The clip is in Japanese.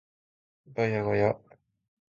ガヤガヤ